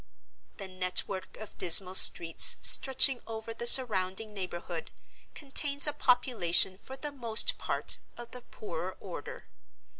The network of dismal streets stretching over the surrounding neighborhood contains a population for the most part of the poorer order.